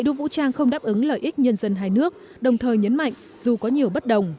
đội vũ trang không đáp ứng lợi ích nhân dân hai nước đồng thời nhấn mạnh dù có nhiều bất đồng